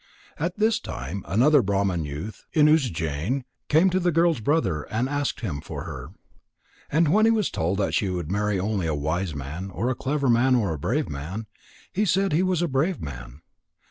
At this time another Brahman youth in Ujjain came to the girl's brother and asked him for her. And when he was told that she would marry only a wise man or a clever man or a brave man, he said he was a brave man.